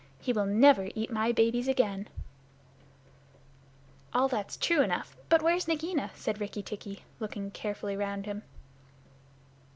He will never eat my babies again." "All that's true enough. But where's Nagaina?" said Rikki tikki, looking carefully round him.